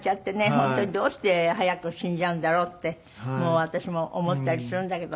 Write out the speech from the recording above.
本当にどうして早く死んじゃうんだろうってもう私も思ったりするんだけど。